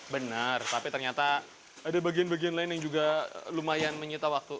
benar tapi ternyata ada bagian bagian lain yang juga lumayan menyita waktu